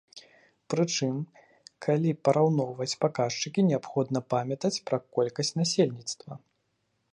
Прычым, калі параўноўваць паказчыкі, неабходна памятаць пра колькасць насельніцтва.